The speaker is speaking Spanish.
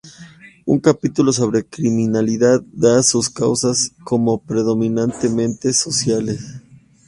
Un capítulo sobre criminalidad da sus causas como predominantemente sociales.